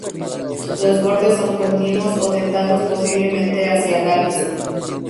Los bordes son continuos o dentados posiblemente hacia el ápice.